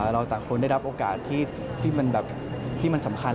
เราต่างคนได้รับโอกาสที่มันสำคัญ